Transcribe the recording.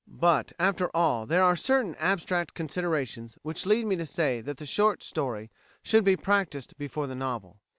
But, after all, there are certain abstract considerations which lead me to say that the short story should be practised before the novel.